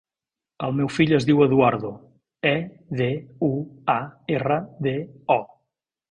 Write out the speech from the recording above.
El meu fill es diu Eduardo: e, de, u, a, erra, de, o.